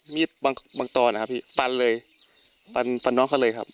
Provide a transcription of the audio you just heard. บางบางตอนนะครับพี่ปันเลยปันปันน้องเขาเลยครับ